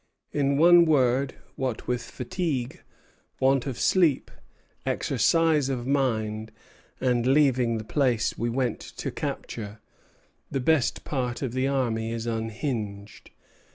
In one word, what with fatigue, want of sleep, exercise of mind, and leaving the place we went to capture, the best part of the army is unhinged.